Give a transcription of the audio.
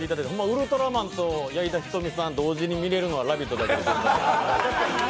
ウルトラマンと矢井田瞳さん、同時に見られるのは「ラヴィット！」だけです。